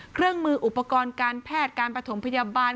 เครื่องมืออุปกรณ์การแพทย์การประถมพยาบาล